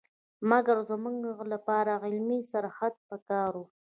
مګر زموږ لپاره علمي سرحد په کار وو.